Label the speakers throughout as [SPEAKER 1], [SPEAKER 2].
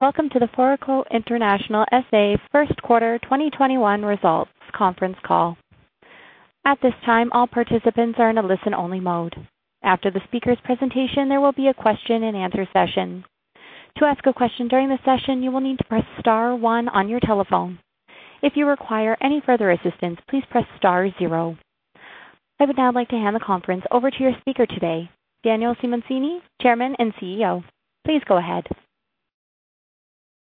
[SPEAKER 1] Welcome to the Foraco International SA First Quarter 2021 Results Conference Call. At this time, all participants are in a listen-only mode. After the speaker's presentation, there will be a question and answer session. To ask a question during the session, you will need to press star one on your telephone. If you require any further assistance, please press star zero. I would now like to hand the conference over to your speaker today, Daniel Simoncini, Chairman and CEO. Please go ahead.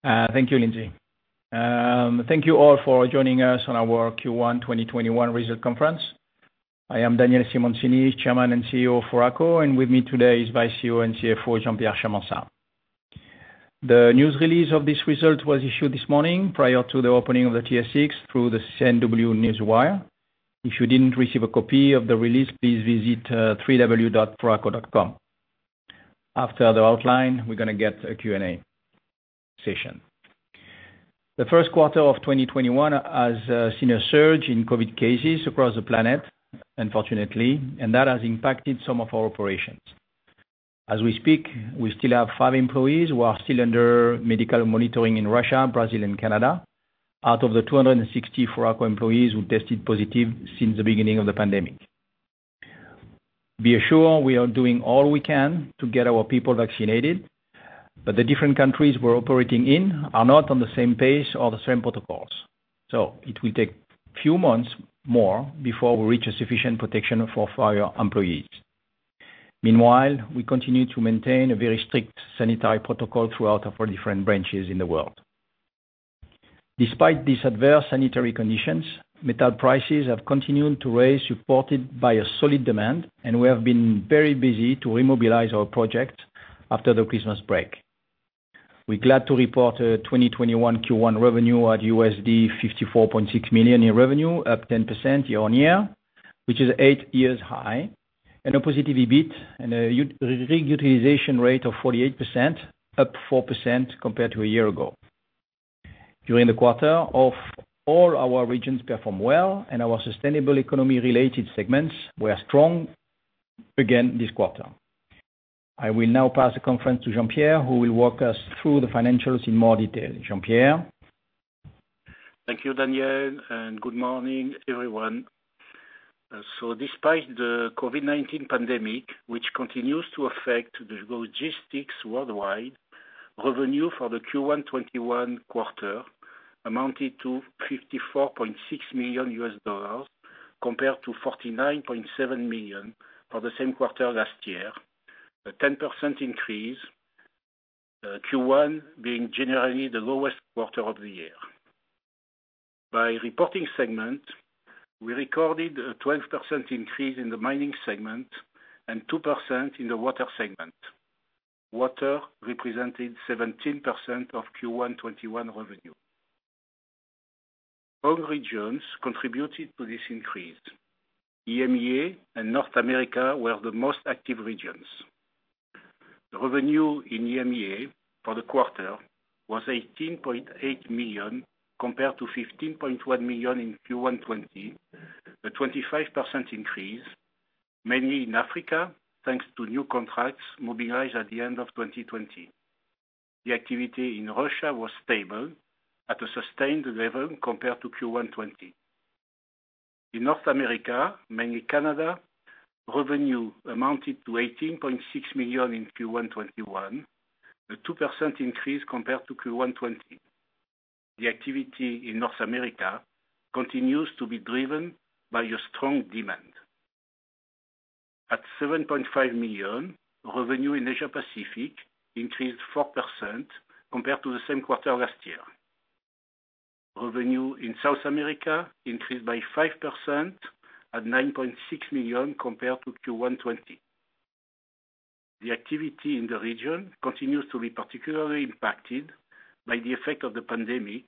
[SPEAKER 2] Thank you, Lindsay. Thank you all for joining us on our Q1 2021 results conference. I am Daniel Simoncini, Chairman and CEO of Foraco, and with me today is Vice CEO and CFO, Jean-Pierre Charmensat. The news release of these results was issued this morning prior to the opening of the TSX through the CNW Newswire. If you didn't receive a copy of the release, please visit www.foraco.com. After the outline, we're gonna get a Q&A session. The first quarter of 2021 has seen a surge in COVID cases across the planet, unfortunately, and that has impacted some of our operations. As we speak, we still have five employees who are still under medical monitoring in Russia, Brazil, and Canada, out of the 260 Foraco employees who tested positive since the beginning of the pandemic. Be assured, we are doing all we can to get our people vaccinated, but the different countries we're operating in are not on the same page or the same protocols, so it will take few months more before we reach a sufficient protection for our employees. Meanwhile, we continue to maintain a very strict sanitary protocol throughout our four different branches in the world. Despite these adverse sanitary conditions, metal prices have continued to rise, supported by a solid demand, and we have been very busy to remobilize our project after the Christmas break. We're glad to report a 2021 Q1 revenue at $54.6 million in revenue, up 10% year-on-year, which is eight years high, and a positive EBIT and a rig utilization rate of 48%, up 4% compared to a year ago. During the quarter, all of our regions performed well, and our sustainable economy-related segments were strong again this quarter. I will now pass the conference to Jean-Pierre, who will walk us through the financials in more detail. Jean-Pierre?
[SPEAKER 3] Thank you, Daniel, and good morning, everyone. So despite the COVID-19 pandemic, which continues to affect the logistics worldwide, revenue for the Q1 2021 quarter amounted to $54.6 million, compared to $49.7 million for the same quarter last year, a 10% increase, Q1 being generally the lowest quarter of the year. By reporting segment, we recorded a 12% increase in the mining segment and 2% in the water segment. Water represented 17% of Q1 2021 revenue. All regions contributed to this increase. EMEA and North America were the most active regions. The revenue in EMEA for the quarter was $18.8 million, compared to $15.1 million in Q1 2020, a 25% increase, mainly in Africa, thanks to new contracts mobilized at the end of 2020. The activity in Russia was stable at a sustained level compared to Q1 2020. In North America, mainly Canada, revenue amounted to $18.6 million in Q1 2021, a 2% increase compared to Q1 2020. The activity in North America continues to be driven by a strong demand. At $7.5 million, revenue in Asia Pacific increased 4% compared to the same quarter last year. Revenue in South America increased by 5% at $9.6 million compared to Q1 2020. The activity in the region continues to be particularly impacted by the effect of the pandemic,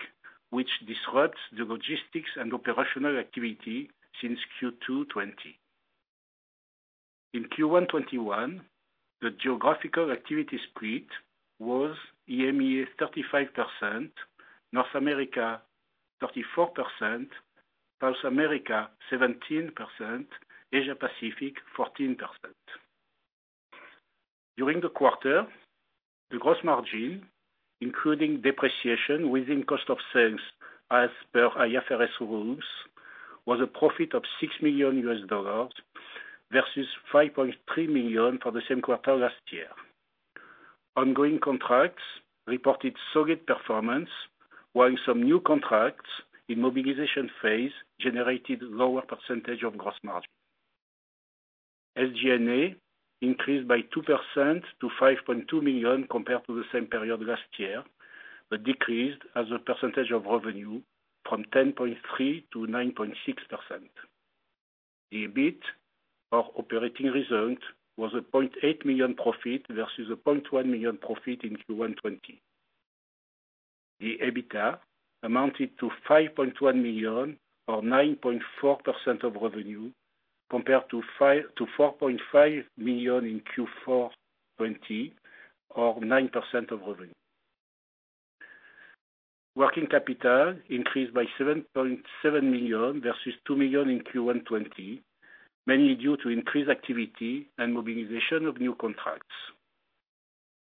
[SPEAKER 3] which disrupts the logistics and operational activity since Q2 2020. In Q1 2021, the geographical activity split was EMEA 35%, North America 34%, South America 17%, Asia Pacific 14%. During the quarter, the gross margin, including depreciation within cost of sales as per IFRS rules, was a profit of $6 million, versus $5.3 million for the same quarter last year. Ongoing contracts reported solid performance, while some new contracts in mobilization phase generated lower percentage of gross margin. SG&A increased by 2% to $5.2 million compared to the same period last year, but decreased as a percentage of revenue from 10.3% to 9.6%. The EBIT, our operating result, was a $0.8 million profit, versus a $0.1 million profit in Q1 2020. The EBITDA amounted to $5.1 million, or 9.4% of revenue, compared to four point five million in Q4 2020, or 9% of revenue. Working capital increased by $7.7 million versus $2 million in Q1 2020, mainly due to increased activity and mobilization of new contracts.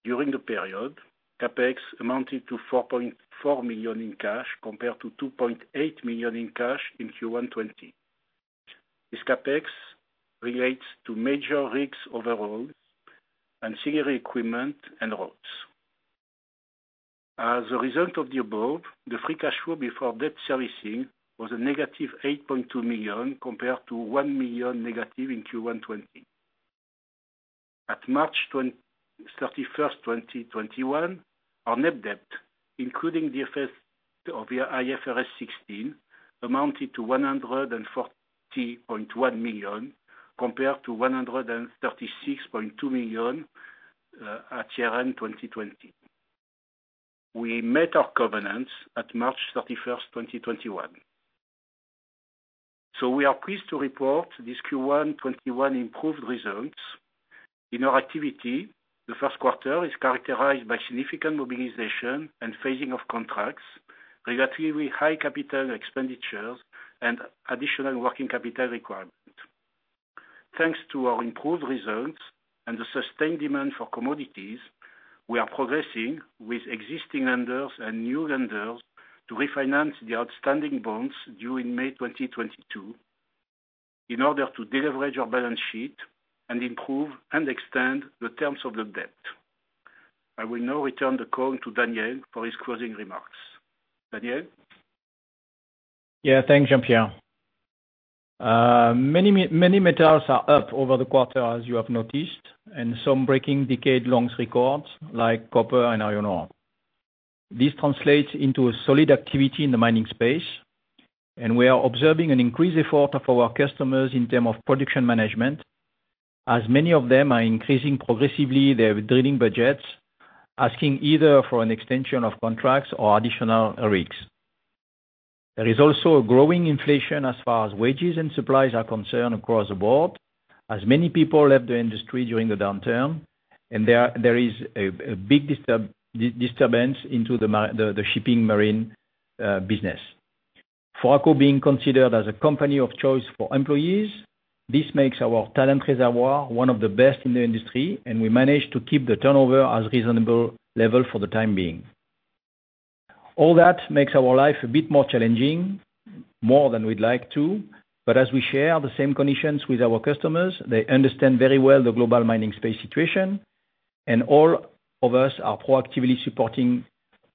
[SPEAKER 3] During the period, CapEx amounted to $4.4 million in cash compared to $2.8 million in cash in Q1 2020. This CapEx relates to major rigs overhaul and senior equipment and rods. As a result of the above, the free cash flow before debt servicing was -$8.2 million, compared to -$1 million in Q1 2020. At March 31, 2021, our net debt, including the effects of the IFRS 16, amounted to $140.1 million, compared to $136.2 million at year-end 2020. We met our covenants at March 31, 2021. So we are pleased to report these Q1 2021 improved results. In our activity, the first quarter is characterized by significant mobilization and phasing of contracts, relatively high capital expenditures, and additional working capital requirement. Thanks to our improved results and the sustained demand for commodities, we are progressing with existing lenders and new lenders to refinance the outstanding bonds due in May 2022, in order to deleverage our balance sheet and improve and extend the terms of the debt. I will now return the call to Daniel for his closing remarks. Daniel?
[SPEAKER 2] Yeah. Thanks, Jean-Pierre. Many metals are up over the quarter, as you have noticed, and some breaking decade-long records like copper and iron ore. This translates into a solid activity in the mining space, and we are observing an increased effort of our customers in terms of production management, as many of them are increasing progressively their drilling budgets, asking either for an extension of contracts or additional rigs. There is also a growing inflation as far as wages and supplies are concerned across the board, as many people left the industry during the downturn, and there is a big disturbance in the maritime shipping business. Foraco being considered as a company of choice for employees, this makes our talent reservoir one of the best in the industry, and we manage to keep the turnover as reasonable level for the time being. All that makes our life a bit more challenging, more than we'd like to, but as we share the same conditions with our customers, they understand very well the global mining space situation, and all of us are proactively supporting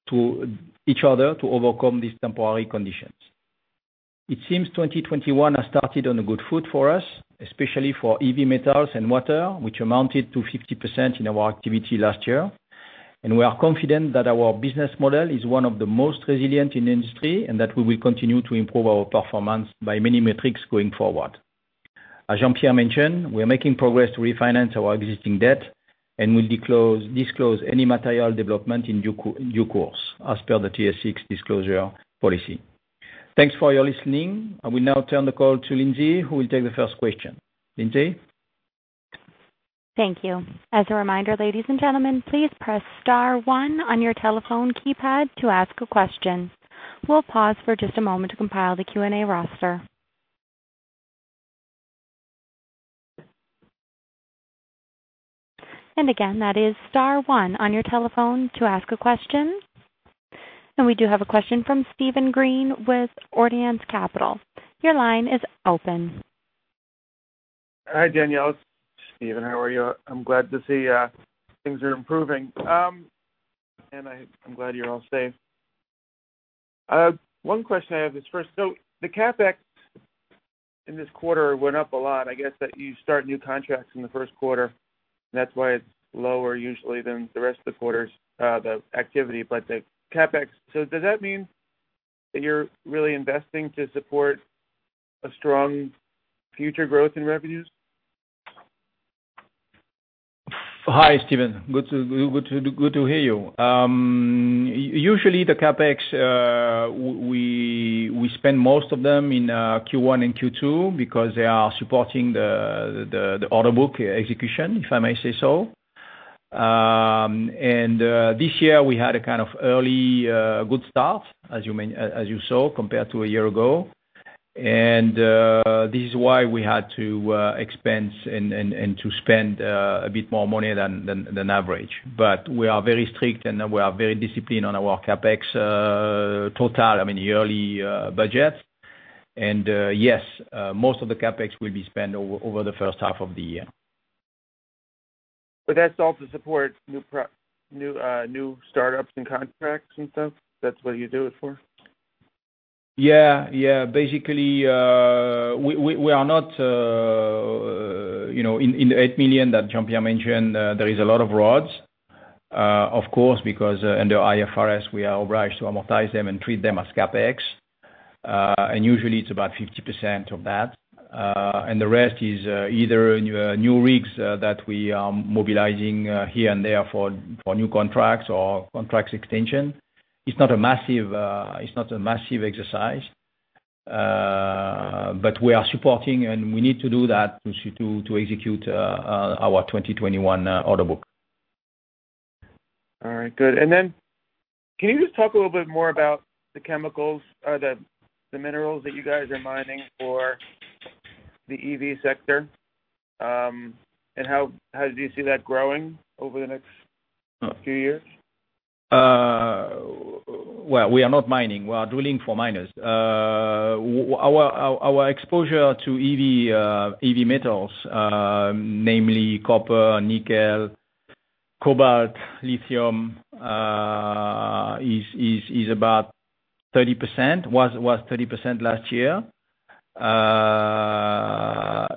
[SPEAKER 2] to each other to overcome these temporary conditions. It seems 2021 has started on a good foot for us, especially for EV metals and water, which amounted to 50% in our activity last year. We are confident that our business model is one of the most resilient in the industry, and that we will continue to improve our performance by many metrics going forward. As Jean-Pierre mentioned, we are making progress to refinance our existing debt and will disclose any material development in due course, as per the TSX disclosure policy. Thanks for your listening. I will now turn the call to Lindsay, who will take the first question. Lindsay?
[SPEAKER 1] Thank you. As a reminder, ladies and gentlemen, please press star one on your telephone keypad to ask a question. We'll pause for just a moment to compile the Q&A roster. And again, that is star one on your telephone to ask a question. And we do have a question from Steven Green with Ordinance Capital. Your line is open.
[SPEAKER 4] Hi, Daniel. It's Steven. How are you? I'm glad to see things are improving. And I, I'm glad you're all safe. One question I have is, first, so the CapEx in this quarter went up a lot. I guess that you start new contracts in the first quarter, and that's why it's lower usually than the rest of the quarters, the activity, but the CapEx. So does that mean that you're really investing to support a strong future growth in revenues?
[SPEAKER 2] Hi, Steven. Good to hear you. Usually, the CapEx, we spend most of them in Q1 and Q2, because they are supporting the order book execution, if I may say so. And this year we had a kind of early good start, as you saw, compared to a year ago. And this is why we had to expense and to spend a bit more money than average. But we are very strict, and we are very disciplined on our CapEx total, I mean, yearly budget. And yes, most of the CapEx will be spent over the first half of the year.
[SPEAKER 4] But that's all to support new startups and contracts and stuff? That's what you do it for?
[SPEAKER 2] Yeah, yeah. Basically, we are not, you know, in the $8 million that Jean-Pierre mentioned, there is a lot of rods, of course, because under IFRS, we are obliged to amortize them and treat them as CapEx. And usually it's about 50% of that, and the rest is either new rigs that we are mobilizing here and there for new contracts or contracts extension. It's not a massive, it's not a massive exercise, but we are supporting, and we need to do that to execute our 2021 order book.
[SPEAKER 4] All right, good. And then can you just talk a little bit more about the chemicals or the minerals that you guys are mining for the EV sector? And how do you see that growing over the next few years?
[SPEAKER 2] Well, we are not mining, we are drilling for miners. Our exposure to EV metals, namely copper, nickel, cobalt, lithium, is about 30%, was 30% last year.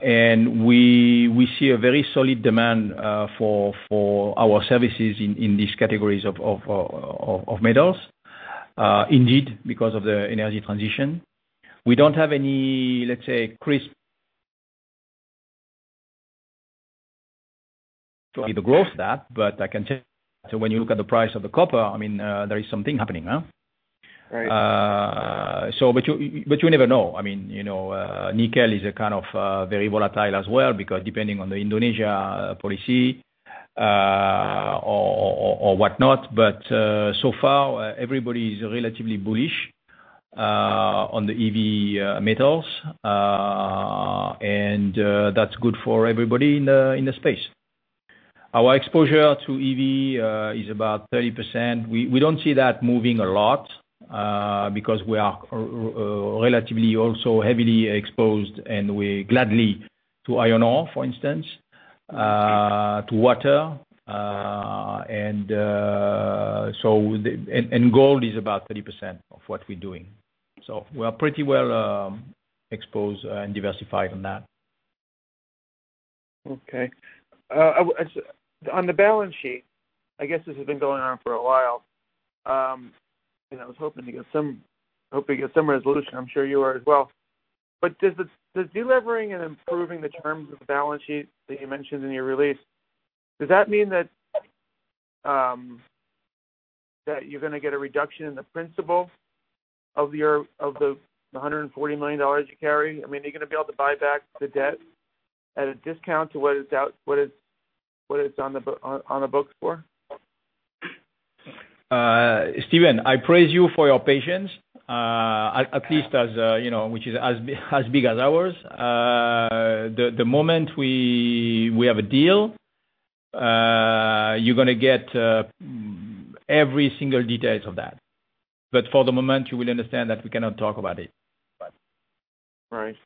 [SPEAKER 2] And we see a very solid demand for our services in these categories of metals, indeed, because of the energy transition. We don't have any, let's say, crisp to the growth of that, but I can tell you, so when you look at the price of the copper, I mean, there is something happening, huh?
[SPEAKER 4] Right.
[SPEAKER 2] So but you, but you never know. I mean, you know, nickel is a kind of very volatile as well, because depending on the Indonesia policy, or whatnot, but so far, everybody is relatively bullish on the EV metals. And that's good for everybody in the space. Our exposure to EV is about 30%. We, we don't see that moving a lot, because we are relatively also heavily exposed, and we gladly to iron ore, for instance, to water, and so the... And gold is about 30% of what we're doing. So we are pretty well exposed and diversified on that.
[SPEAKER 4] Okay. On the balance sheet, I guess this has been going on for a while, and I was hoping to get some resolution, I'm sure you are as well. But does the delivering and improving the terms of the balance sheet that you mentioned in your release, does that mean that you're gonna get a reduction in the principal of your of the $140 million you carry? I mean, are you gonna be able to buy back the debt at a discount to what it's on the books for?
[SPEAKER 2] Steven, I praise you for your patience. At least as you know, which is as big as ours. The moment we have a deal, you're gonna get every single details of that. But for the moment, you will understand that we cannot talk about it.
[SPEAKER 4] Right.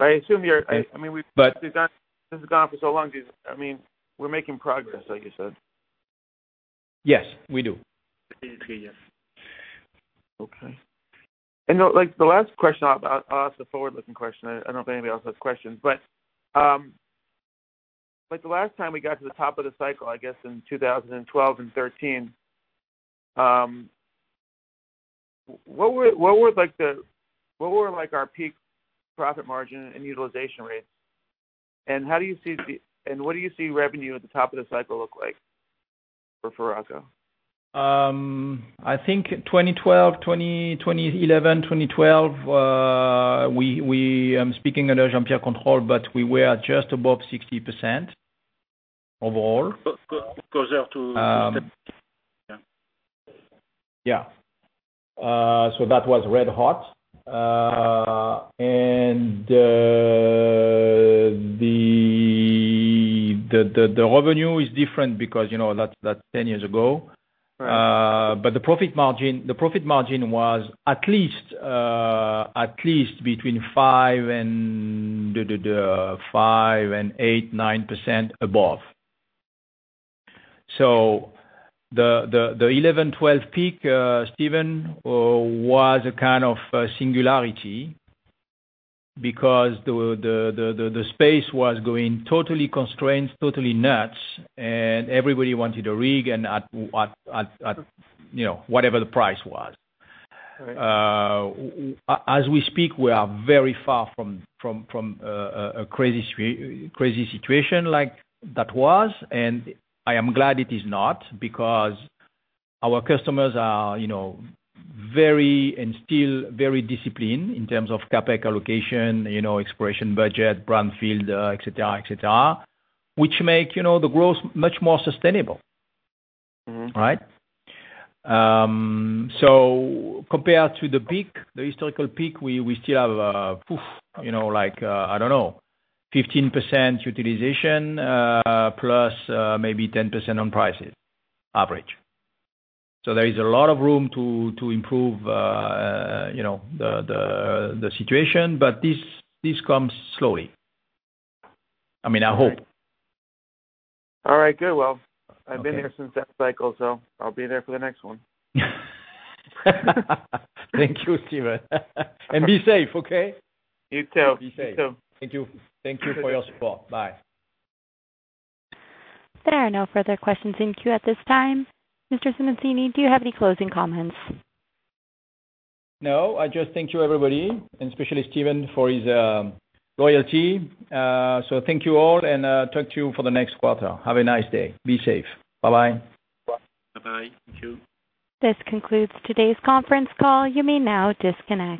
[SPEAKER 4] I assume you're-
[SPEAKER 2] But-
[SPEAKER 4] I mean, this has gone on for so long, I mean, we're making progress, like you said.
[SPEAKER 2] Yes, we do.
[SPEAKER 4] Good. Okay. And now, like, the last question, I'll ask a forward-looking question. I don't know if anybody else has questions. But, like, the last time we got to the top of the cycle, I guess, in 2012 and 2013, what were, like, our peak profit margin and utilization rates? And how do you see the - And what do you see revenue at the top of the cycle look like for Foraco?
[SPEAKER 2] I think 2012, 2011, 2012, we were speaking under Jean-Pierre control, but we were just above 60% overall.
[SPEAKER 3] Closer to 10.
[SPEAKER 2] Yeah. So that was red hot. The revenue is different because, you know, that's 10 years ago.
[SPEAKER 4] Right.
[SPEAKER 2] But the profit margin was at least between 5% and 8.9% above. So the 11-12 peak, Steven, was a kind of a singularity, because the space was going totally constrained, totally nuts, and everybody wanted to rig and at, you know, whatever the price was.
[SPEAKER 4] Right.
[SPEAKER 2] As we speak, we are very far from a crazy situation like that was, and I am glad it is not, because our customers are, you know, very and still very disciplined in terms of CapEx allocation, you know, exploration budget, brownfield, et cetera, et cetera, which make, you know, the growth much more sustainable.
[SPEAKER 4] Mm-hmm.
[SPEAKER 2] Right? So compared to the peak, the historical peak, we still have, you know, like, I don't know, 15% utilization, plus, maybe 10% on prices, average. So there is a lot of room to improve, you know, the situation, but this comes slowly. I mean, I hope.
[SPEAKER 4] All right, good. Well.
[SPEAKER 2] Okay.
[SPEAKER 4] I've been here since that cycle, so I'll be there for the next one.
[SPEAKER 2] Thank you, Steven. And be safe, okay?
[SPEAKER 4] You too.
[SPEAKER 2] Be safe.
[SPEAKER 4] You too.
[SPEAKER 2] Thank you. Thank you for your support. Bye.
[SPEAKER 1] There are no further questions in queue at this time. Mr. Simoncini, do you have any closing comments?
[SPEAKER 2] No, I just thank you, everybody, and especially Steven, for his loyalty. So thank you all, and talk to you for the next quarter. Have a nice day. Be safe. Bye-bye.
[SPEAKER 1] Bye-bye. Thank you. This concludes today's conference call. You may now disconnect.